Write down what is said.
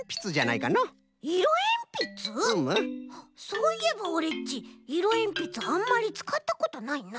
そういえばオレっちいろえんぴつあんまりつかったことないな。